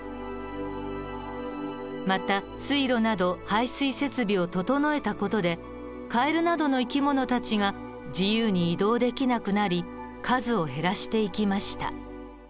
また水路など排水設備を整えた事でカエルなどの生き物たちが自由に移動できなくなり数を減らしていきました。